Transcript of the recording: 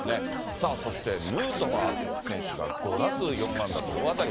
さあそして、ヌートバー選手が５打数４安打と大当たり。